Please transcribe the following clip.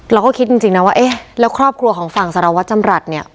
เราก็คิดจริงนะว่าเอ๊ะแล้วครอบครัวของฝั่งสารวัตรจำรัฐเนี่ย